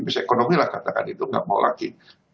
bisnis ekonomi lah katakan itu nggak mau lagi